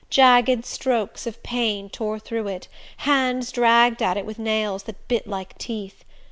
Jagged strokes of pain tore through it, hands dragged at it with nails that bit like teeth.